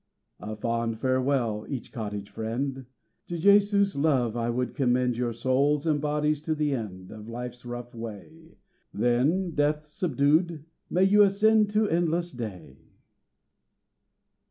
A fond farewell! each cottage friend, To Jesu's love I would commend Your souls and bodies to the end Of life's rough way; Then (death subdued) may you ascend To endless day!